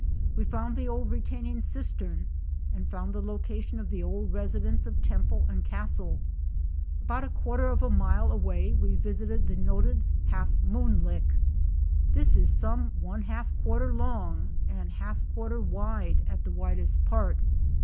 We found the old retaining cistern and found the location of the old residence of Temple and Castle. About a quarter of a mile away we visited the noted "Half Moon Lick " This is some one half quarter long and half quarter wide at the widest part.